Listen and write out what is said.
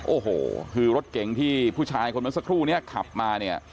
โอ้โหคือรถเก๋งที่ผู้ชายคนเมื่อสักครู่นี้ขับมาเนี่ย